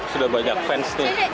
sudah banyak fans tuh